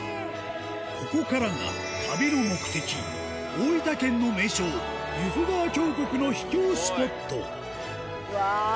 ここからが旅の目的大分県の名所由布川峡谷の秘境スポット